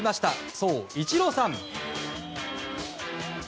そう、イチローさん。